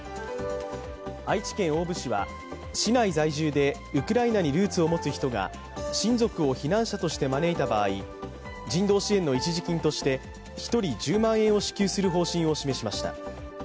愛知県大府市は、市内在住でウクライナにルーツを持つ人が親族を避難者として招いた場合人道支援の一時金として１人１０万円を支給する方針を示しました。